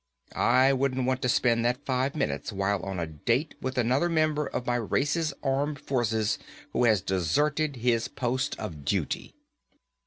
I wouldn't want to spend that five minutes while on a date with another member of my race's armed forces who had deserted his post of duty."